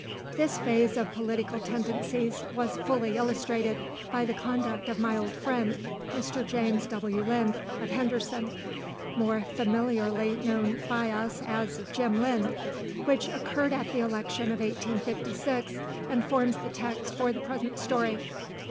This phase of political tendencies was fully illustrated by the conduct of my old friend, Mr. James W. Lynd of Henderson, more familiarly known by us as "Jim Lynd," which occurred at the election of 1856, and forms the text for the present story.